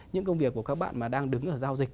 những công việc của các bạn mà đang đứng ở giao dịch